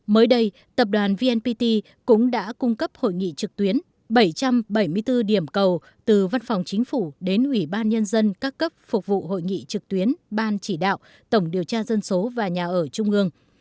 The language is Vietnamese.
mới đây tập đoàn vnpt cũng đã cung cấp hội nghị trực tuyến bảy trăm bảy mươi bốn điểm cầu từ văn phòng chính phủ đến ủy ban nhân dân các cấp phục vụ hội nghị trực tuyến ban chỉ đạo tổng điều tra dân số và nhà ở trung ương